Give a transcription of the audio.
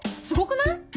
すごくない？